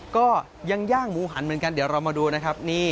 ก็ยังย่างหมูหันเหมือนกันเดี๋ยวเรามาดูนะครับ